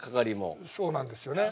そうなんですよねはい。